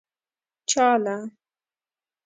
چا له.